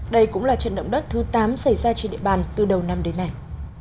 đây cũng là trận động đất thứ tám xảy ra trên địa bàn từ đầu năm đến nay